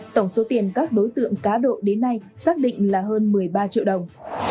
tổng số tiền các đối tượng cá độ đến nay xác định là hơn một mươi ba triệu đồng